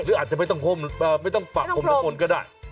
หรืออาจจะไม่ต้องปากอมทะมนต์ก็ได้